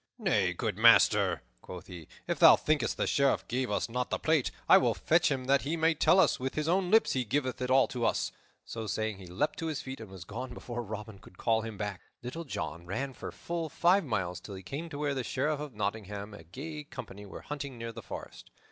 "Nay, good master," quoth he, "if thou thinkest the Sheriff gave us not the plate, I will fetch him, that he may tell us with his own lips he giveth it all to us." So saying he leaped to his feet, and was gone before Robin could call him back. Little John ran for full five miles till he came to where the Sheriff of Nottingham and a gay company were hunting near the forest.